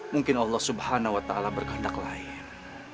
mungkin allah subhanahu wa ta'ala bergandak lain